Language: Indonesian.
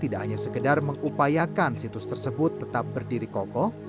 tidak hanya sekedar mengupayakan situs tersebut tetap berdiri kokoh